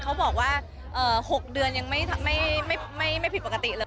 เขาบอกว่า๖เดือนยังไม่ผิดปกติเลย